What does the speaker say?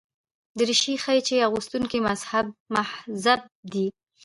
دریشي ښيي چې اغوستونکی مهذب دی.